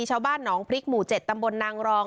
ชาวบ้านหนองพริกหมู่๗ตำบลนางรอง